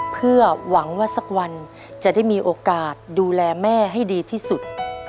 เพื่อหวังว่าสักวันจะได้มีโอกาสดูแลแม่ให้ดีที่สุด